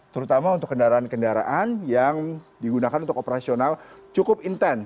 terutama untuk kendaraan kendaraan yang digunakan untuk operasional cukup intens